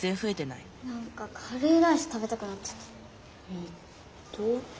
えっと。